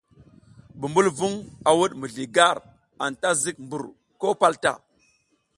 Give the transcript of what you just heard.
Bumbulvung a wud mizli gar, anta zik mbur ko pal ta.